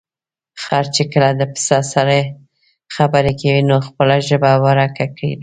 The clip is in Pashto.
خر چې کله د پسه سره خبرې کوي، نو خپله ژبه ورکه کړي.